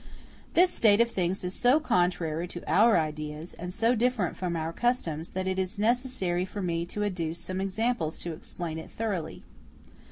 ] This state of things is so contrary to our ideas, and so different from our customs, that it is necessary for me to adduce some examples to explain it thoroughly.